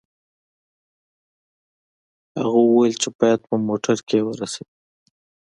هغه وویل چې باید په موټر کې یې ورسوي